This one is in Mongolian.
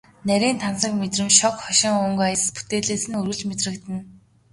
Нарийн тансаг мэдрэмж, шог хошин өнгө аяс бүтээлээс нь үргэлж мэдрэгдэнэ.